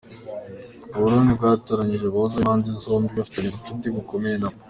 U Burundi bwatoranyije abahuza b’impande zombi bafitanye ubucuti bukomeye nabo.